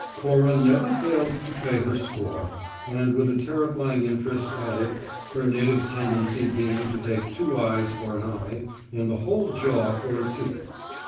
Cora never failed to pay her score and with a terrifying interest added, her native tendency being to take two eyes for an eye and the whole jaw for a tooth.